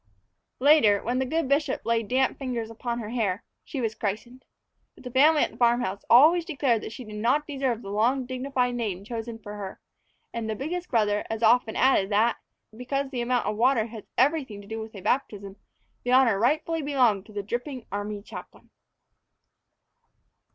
LATER when the good bishop laid damp fingers upon her hair, she was christened. But the family at the farm house always declared that she did not deserve the long, dignified name chosen for her; and the biggest brother as often added that, because the amount of water has everything to do with a baptism, the honor rightfully belonged to the dripping army chaplain.